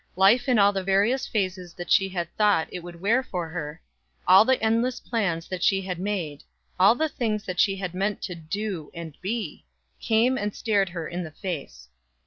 Life in all the various phases that she had thought it would wear for her, all the endless plans that she had made, all the things that she had meant to do and be, came and stared her in the face.